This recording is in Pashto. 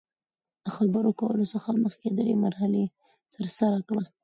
د خبرو کولو څخه مخکې درې مرحلې ترسره کړه.